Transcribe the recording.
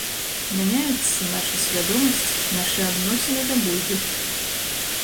Мяняюцца наша свядомасць, нашы адносіны да бульбы.